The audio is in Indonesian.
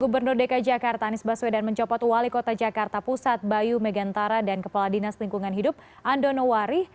gubernur dki jakarta anies baswedan mencopot wali kota jakarta pusat bayu megantara dan kepala dinas lingkungan hidup andono wari